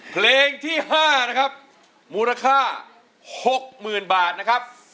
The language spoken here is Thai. เพลงที่๕นะครับมูลค่า๖๐๐๐บาทนะครับ